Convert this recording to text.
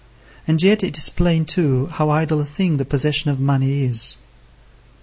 And yet it is plain, too, how idle a thing the possession of money is.